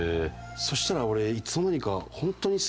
そしたら俺いつの間にか。